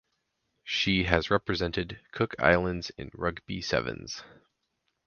She has represented Cook Islands in rugby sevens.